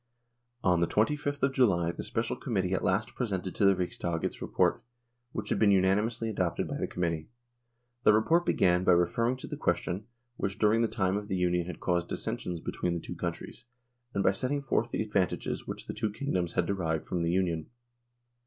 On the 25th of July the Special Committee 138 NORWAY AND THE UNION WITH SWEDEN at last presented to the Riksdag its report, which had been unanimously adopted by the committee. The report began by referring to the question, which during the time of the Union had caused dissensions between the two countries, and by setting forth the advantages which the two kingdoms had derived from the Union.